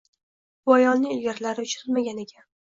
Bu ayolni ilgarilari uchratmagan ekan